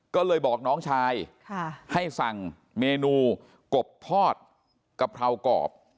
ก็เลยบอกน้องชายให้สั่งเมนูกบทอดกะเพรากรอบ